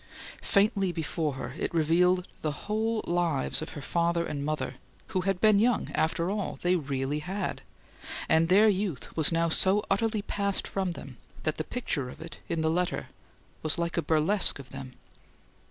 Faintly before her it revealed the whole lives of her father and mother, who had been young, after all they REALLY had and their youth was now so utterly passed from them that the picture of it, in the letter, was like a burlesque of them.